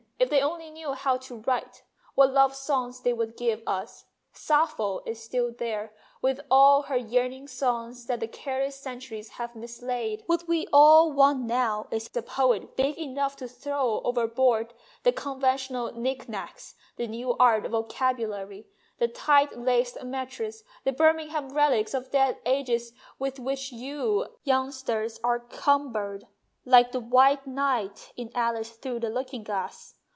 If they only knew how to write, what love songs they would give us ! Sappho is still there, with all her yearn ing songs that the careless centuries have mislaid." " What we all want now is a poet big enough to throw overboard the conventional knick knacks, the new art vocabulary, the tight laced metres, the Birmingham relics of 278 MONOLOGUES dead ages with which you j^oungsters are cumbered, like the White Knight in ' Alice through the Looking Glass.'